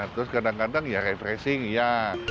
terus kadang kadang ya refreshing ya